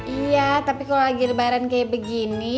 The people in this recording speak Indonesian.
iya tapi kalau lagi lebaran kayak begini